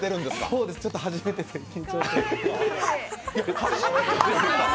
そうです、ちょっと初めてで緊張してる初めて？